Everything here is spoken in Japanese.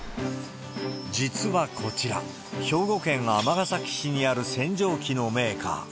実はこちら、兵庫県尼崎市にある洗浄機のメーカー。